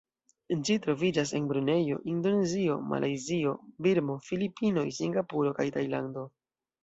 Ĝi troviĝas en Brunejo, Indonezio, Malajzio, Birmo, Filipinoj, Singapuro kaj Tajlando.